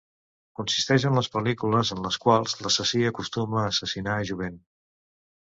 Consisteix en les pel·lícules en les quals l'assassí acostuma a assassinar a jovent.